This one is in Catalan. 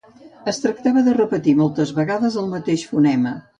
Es tractava de repetir moltes vegades el mateix fonema.